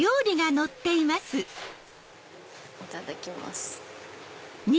いただきます。